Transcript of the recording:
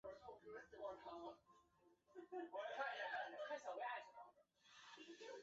夏鼎基与其兄妹大卫及帕米娜皆生于澳洲塔斯曼尼亚州荷伯特。